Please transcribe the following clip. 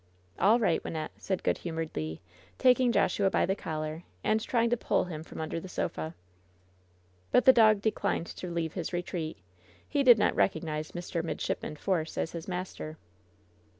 "' "All right, Wynnette,'* said good humored Le, taking Joshua by the collar and trying to pull him from under the sofa. But the dog declined to leave his retreat. He did not recognize Mr. Midshipman Force as his master.